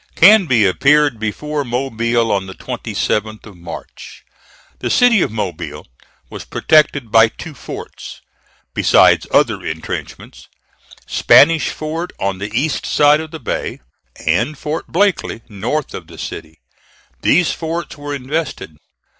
Canby appeared before Mobile on the 27th of March. The city of Mobile was protected by two forts, besides other intrenchments Spanish Fort, on the east side of the bay, and Fort Blakely, north of the city. These forts were invested.